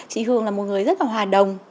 chị hường là một người rất là hòa đồng